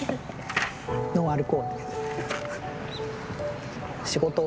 ノンアルコールです。